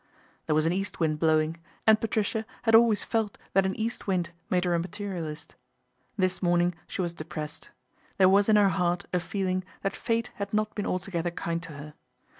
There was an east wind blowing, and Patricia had always felt that an east wind made her a materialist. This morning she was depressed ; there was in her heart a feeling that fate had not been altogether kind to her.